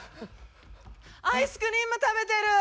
アイスクリーム食べてる！